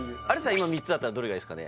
今３つだったらどれがいいすかね？